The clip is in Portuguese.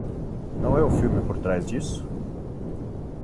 Não é o filme por trás disso?